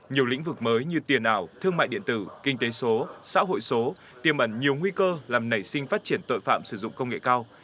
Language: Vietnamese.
nhiều lĩnh vực mới như tiền ảo thương mại điện tử kinh tế số xã hội số tiêm ẩn nhiều nguy cơ làm nảy sinh phát triển tội phạm sử dụng công nghệ cao